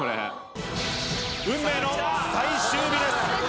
運命の最終日です。